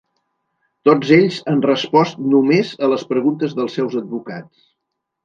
Tots ells han respost només a les preguntes dels seus advocats.